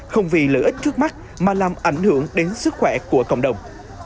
không vì lợi ích trước mắt mà làm ảnh hưởng đến sức khỏe của cộng đồng